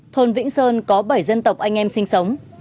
thôn vĩnh sơn có bảy dân tộc anh em sinh sống